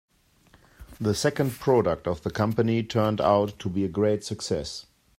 The second product of the company turned out to be a great success.